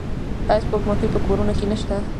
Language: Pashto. آیا سپوږمکۍ په کورونو کې نشته؟